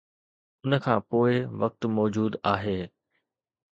ان کان پوء وقت موجود آهي.